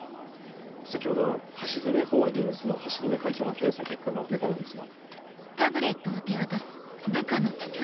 先ほど橋爪ホールディングスの橋爪会長の検査結果が出たのですが。